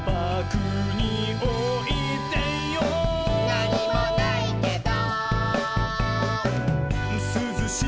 「なにもないけど」